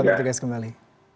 selamat datang kembali